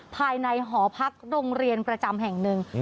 ภายในหอพักโรงเรียนประจำแห่งหนึ่ง